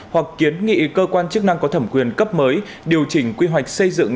hoặc kiến nghị cơ quan chức năng có thẩm quyền cấp mới điều chỉnh quy hoạch xây dựng